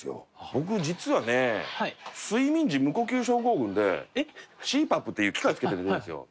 僕実はね睡眠時無呼吸症候群でＣＰＡＰっていう機械着けて寝てるんですよ。